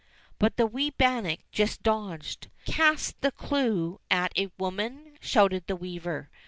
But the wee bannock just dodged. "Cast the clue at it, woman !" shouted the weaver.